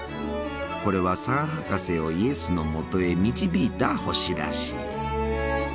これは三博士をイエスのもとへ導いた星らしい。